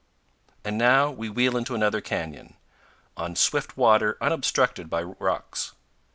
And now we wheel into another canyon, on swift water unobstructed by rocks.